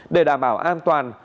để đảm bảo an toàn